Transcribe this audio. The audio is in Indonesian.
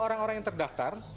karena yang terdaftar